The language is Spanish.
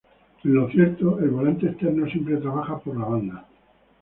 En lo cierto, el volante externo siempre trabaja por la banda.